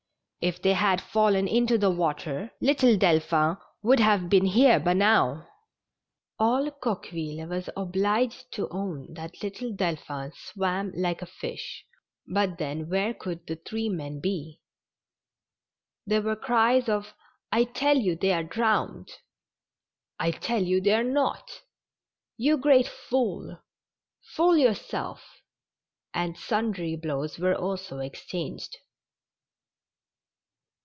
If they had fallen into the water, little Delphin would have been here by now." All Coqueville was obliged to own that little Delphin swam like a fish, but then where could the three men be ? There were cries of: " I tell you they are drowned !" "I tell you they're not!" ''You great fool!" "Fool yourself! '' and sundry blows were also exchanged.